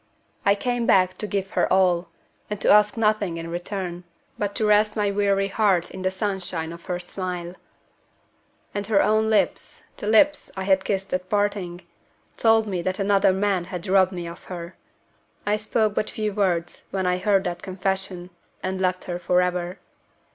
I came back to give her all, and to ask nothing in return, but to rest my weary heart in the sunshine of her smile. And her own lips the lips I had kissed at parting told me that another man had robbed me of her. I spoke but few words when I heard that confession, and left her forever.